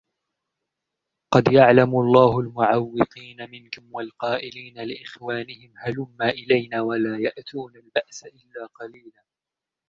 قَدْ يَعْلَمُ اللَّهُ الْمُعَوِّقِينَ مِنْكُمْ وَالْقَائِلِينَ لِإِخْوَانِهِمْ هَلُمَّ إِلَيْنَا وَلَا يَأْتُونَ الْبَأْسَ إِلَّا قَلِيلًا